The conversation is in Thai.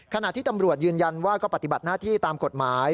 ขณะที่ตำรวจยืนยันว่าก็ปฏิบัติหน้าที่ตามกฎหมาย